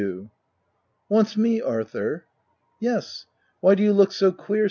u Wants me, Arthur ?'*" Yes. Why do you look so queer